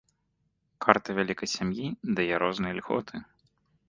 Карта вялікай сям'і дае розныя льготы.